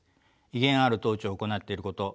威厳ある統治を行っていること